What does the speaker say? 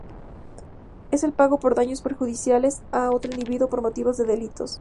Es el pago por daños perjudiciales a otro individuo o por motivos de delitos.